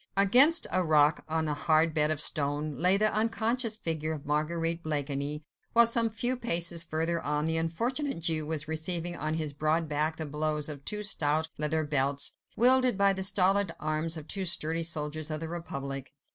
Against a rock, on a hard bed of stone, lay the unconscious figure of Marguerite Blakeney, while some few paces further on, the unfortunate Jew was receiving on his broad back the blows of two stout leather belts, wielded by the stolid arms of two sturdy soldiers of the Republic.